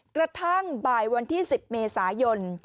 กระทั่งบ่ายวันที่๑๐เมษายน